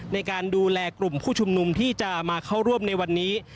ในการดูแลกลุ่มผู้ชุมนุมที่จะมาเข้าร่วมในวันนี้